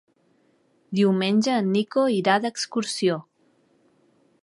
Diumenge en Nico irà d'excursió.